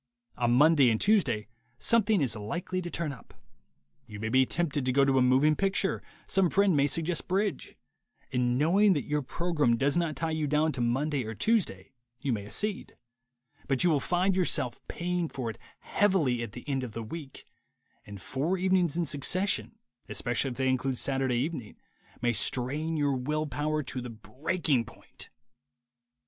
On Monday and Tuesday something is likely to turn up — you may be tempted to go to a moving picture, some friend may suggest bridge — and knowing that your program does not tie you down to Monday or Tuesday, you may accede; but you will find yourself paying for it heavily at the end of the week; and four evenings in succession, especially if they include Saturday evening, may strain your will power to the breaking point.